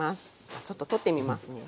じゃあちょっと取ってみますね。